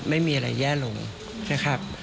ไม่มีอะไรแย่ลงนะครับ